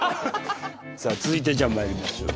さあ続いてじゃあまいりましょう。